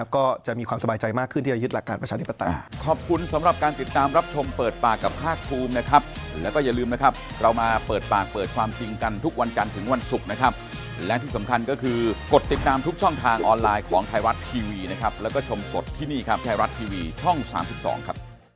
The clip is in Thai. ก็จะมีความสบายใจมากขึ้นที่จะยึดหลักการประชาธิปไตย